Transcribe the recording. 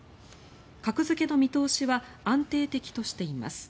格付けの見通しは安定的としています。